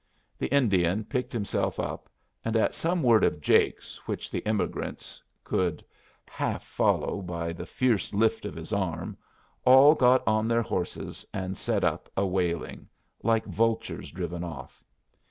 The Indian picked himself up, and at some word of Jake's which the emigrants could half follow by the fierce lift of his arm, all got on their horses and set up a wailing, like vultures driven off.